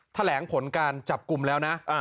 แถลงผลการจับกลุ่มแล้วนะ